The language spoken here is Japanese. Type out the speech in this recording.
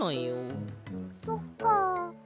そっか。